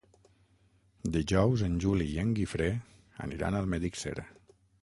Dijous en Juli i en Guifré aniran a Almedíxer.